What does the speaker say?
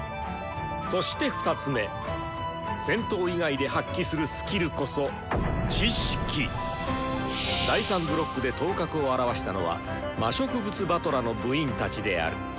そして２つ目戦闘以外で発揮するスキルこそ第３ブロックで頭角を現したのは魔植物師団の部員たちである。